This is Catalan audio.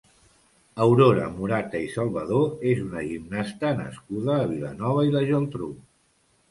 Aurora Morata i Salvador és una gimnasta nascuda a Vilanova i la Geltrú.